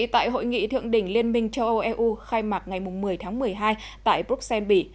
tại hội nghị thượng đỉnh liên minh châu âu eu khai mạc ngày một mươi tháng một mươi hai tại bruxelles bỉ